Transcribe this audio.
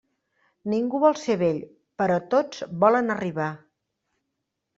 Ningú vol ser vell, però tots volen arribar.